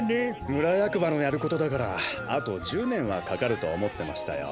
むらやくばのやることだからあと１０ねんはかかるとおもってましたよ。